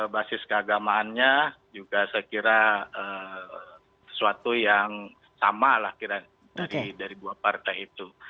basis keagamaannya juga saya kira sesuatu yang sama lah kira kira dari dua partai itu